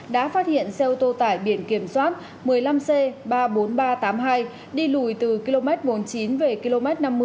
đã phát hiện xe ô tô tải biển kiểm soát một mươi năm c ba mươi bốn nghìn ba trăm tám mươi hai đi lùi từ km bốn mươi chín về km năm mươi